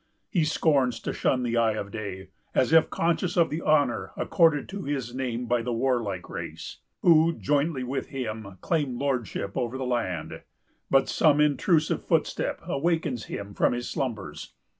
He scorns to shun the eye of day, as if conscious of the honor accorded to his name by the warlike race, who, jointly with him, claim lordship over the land. But some intrusive footstep awakes him from his slumbers.